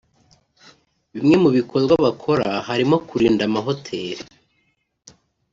Bimwe mu bikorwa bakora harimo kurinda amahoteli